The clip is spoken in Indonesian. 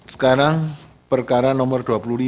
sekarang perkara nomor dua puluh lima